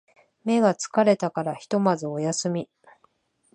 目が疲れたからひとまずお休み